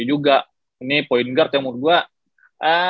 juga ini point guard yang menurut gue